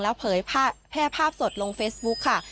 แล้วเผยแพร่ภาพสดลงเฟซบุ๊คค่ะ